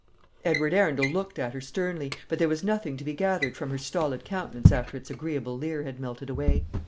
Edward Arundel looked at her sternly; but there was nothing to be gathered from her stolid countenance after its agreeable leer had melted away.